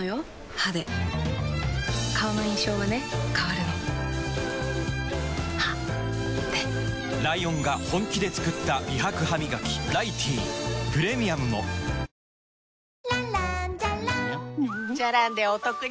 歯で顔の印象はね変わるの歯でライオンが本気で作った美白ハミガキ「ライティー」プレミアムもさぁ